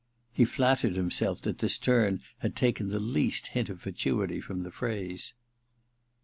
He flattered himself that this turn had taken the least hint of fatuity from the phrase.